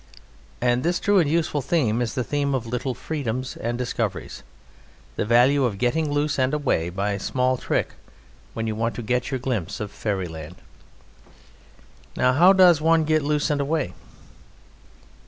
And this true and useful theme is the theme of little freedoms and discoveries, the value of getting loose and away by a small trick when you want to get your glimpse of Fairyland. Now how does one get loose and away?